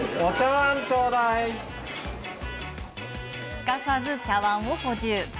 すかさず茶わんを補充。